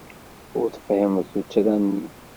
Ur tefhimeḍ tuttra-nni.